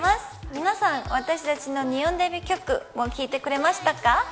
皆さん私たちの日本デビュー曲もう聞いてくれましたか。